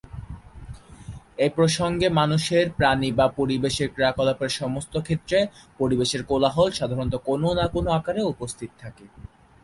এই প্রসঙ্গে, মানুষের, প্রাণী বা পরিবেশের ক্রিয়াকলাপের সমস্ত ক্ষেত্রে পরিবেশের কোলাহল সাধারণত কোনও না কোনও আকারে উপস্থিত থাকে।